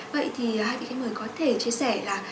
vậy thì hai vị khách mời có thể chia sẻ là